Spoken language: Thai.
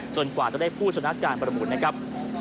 กว่าจะได้ผู้ชนะการประมูลนะครับ